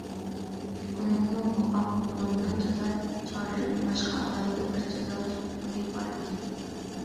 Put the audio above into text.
ئۇنىڭمۇ پوقاق موللامنىڭ جازا چارىلىرىدىن باشقا ئالاھىدە بىر جازالاش ئۇسۇلى بار ئىدى.